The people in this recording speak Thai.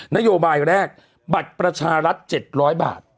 นโยบายแรกบัตรประชารัฐ๗๐๐บาท